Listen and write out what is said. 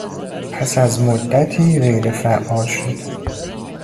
پس از مدتی غیر فعال شد